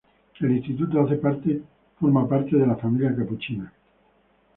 El instituto hace parte de la Familia Capuchina.